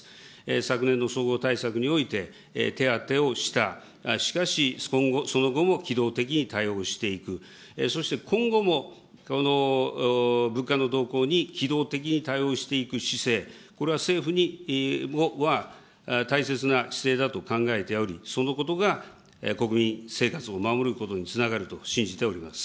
昨年の総合対策において、手当をした、しかしその後も機動的に対応していく、そして今後も物価の動向に機動的に対応していく姿勢、これは政府には大切な姿勢だと考えており、そのことが国民生活を守ることにつながると信じております。